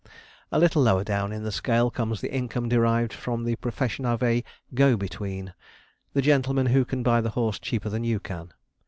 A little lower down in the scale comes the income derived from the profession of a 'go between' the gentleman who can buy the horse cheaper than you can.